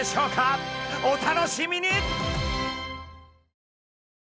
お楽しみに！